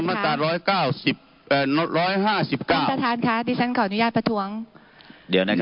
ท่านประธานค่ะดิฉันขออนุญาตประท้วง